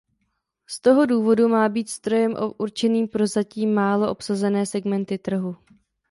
Z toho důvodu má být strojem určeným pro zatím málo obsazené segmenty trhu.